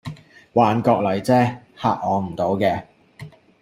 幻覺嚟架啫，嚇我唔倒嘅